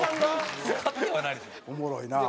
おもろいなあ。